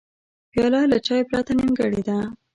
پیاله له چای پرته نیمګړې ده.